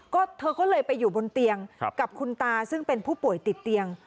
ก็เธอก็เลยไปอยู่บนเตียงกับคุณตาซึ่งเป็นผู้ป่วยติดเตียง